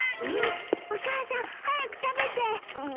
お母さん早く食べて！